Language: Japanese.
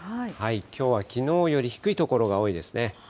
きょうはきのうより低い所が多いですね。